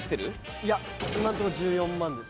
いや今のとこ１４万です。